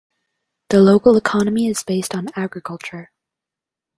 The local economy is based on agriculture.